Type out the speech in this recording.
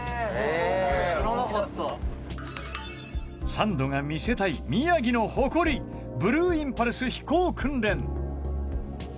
サンドが見せたい宮崎の誇りブルーインパルス飛行訓練